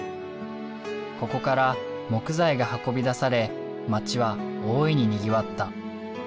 ここから木材が運び出され町は大いににぎわった。